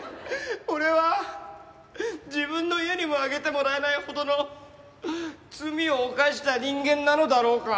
俺は自分の家にも上げてもらえないほどの罪を犯した人間なのだろうか？